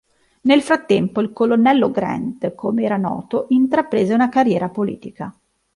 Nel frattempo, il "Colonnello Grant", come era noto, intraprese una carriera politica.